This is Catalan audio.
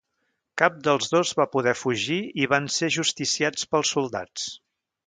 Cap dels dos va poder fugir i van ser ajusticiats pels soldats.